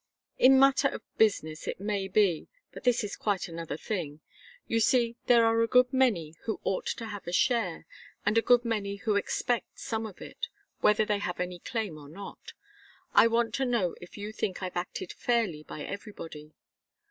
"In matters of business it may be. But this is quite another thing. You see, there are a good many who ought to have a share, and a good many who expect some of it, whether they have any claim or not. I want to know if you think I've acted fairly by everybody.